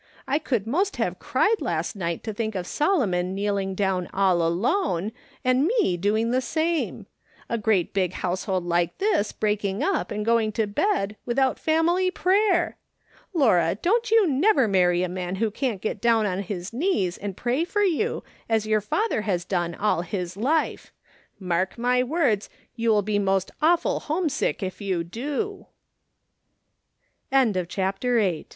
I could most have cried last night to think of Solomon kneeling down all alone, and me doing the same, A great big household like this breaking up and going to bed without family prayer ! Laura, don't you never marry a man wlio can't get down on his knees and pray for you, as your father has done all his life ; mark my words, you'll be most awful home